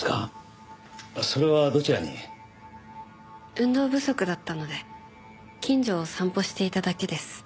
運動不足だったので近所を散歩していただけです。